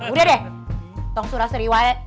udah deh dong surah seri wae